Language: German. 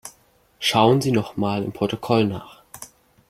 Schauen Sie noch mal im Protokoll nach.